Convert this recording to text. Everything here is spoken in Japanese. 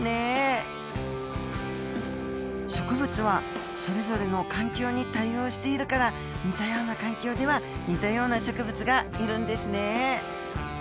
植物はそれぞれの環境に対応しているから似たような環境では似たような植物がいるんですね。